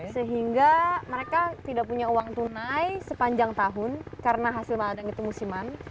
sehingga mereka tidak punya uang tunai sepanjang tahun karena hasil malang itu musiman